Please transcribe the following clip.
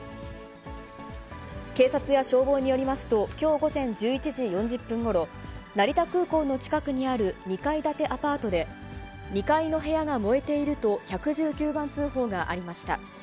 警察や消防によりますと、きょう午前１１時４０分ごろ、成田空港の近くにある２階建てアパートで、２階の部屋が燃えていると１１９番通報がありました。